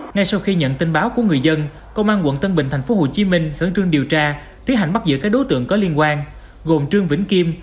ngay sau khi nhận tin báo của người dân công an tp hcm khẳng trương điều tra thiết hành bắt giữ các đối tượng có liên quan gồm trương vĩnh kim